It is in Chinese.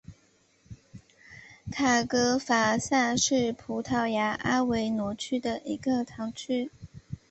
卡雷戈萨是葡萄牙阿威罗区的一个堂区。